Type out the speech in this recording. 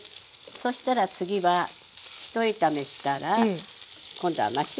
そしたら次はひと炒めしたら今度はマッシュルーム。